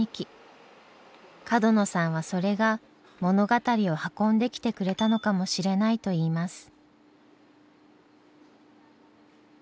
角野さんはそれが物語を運んできてくれたのかもしれないといいます。